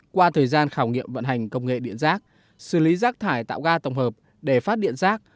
qua thời gian khảo nghiệm vận hành công nghệ điện rác xử lý rác thải tạo ra tổng hợp để phát điện rác